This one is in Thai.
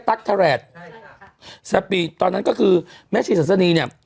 ตั๊กทะแหลดใช่ค่ะตอนนั้นก็คือแม่ชีสัสนีเนี่ย